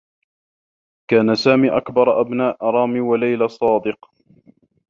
كان سامي أكبر أبناء رامي و ليلى صادق.